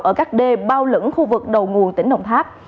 ở các đê bao lẫn khu vực đầu nguồn tỉnh đồng tháp